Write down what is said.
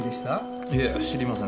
いえ知りませんね。